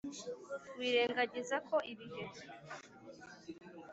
wirengagiza ko ibihe